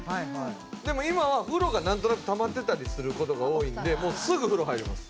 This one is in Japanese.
でも今は風呂がなんとなくたまってたりする事が多いのですぐ風呂入ります。